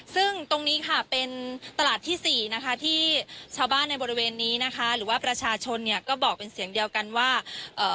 ซึ่งตรงนี้ค่ะเป็นตลาดที่สี่นะคะที่ชาวบ้านในบริเวณนี้นะคะหรือว่าประชาชนเนี่ยก็บอกเป็นเสียงเดียวกันว่าเอ่อ